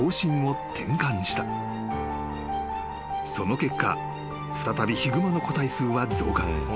［その結果再びヒグマの個体数は増加］